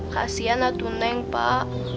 kasian atuh neng pak